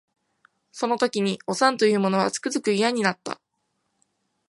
その時におさんと言う者はつくづく嫌になった